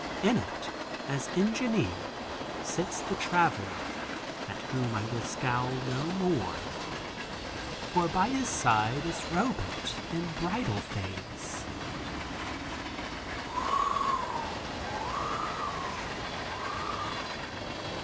In it, as Engineer, sits the Traveler, at whom I will scowl no more, for by his side is Robet, in bridal phase.